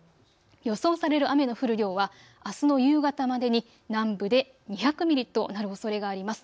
予想される雨の降る量はあすの夕方までに南部で２００ミリとなるおそれがあります。